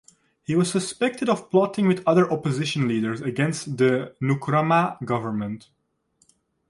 He was suspected of plotting with other opposition leaders against the Nkrumah government.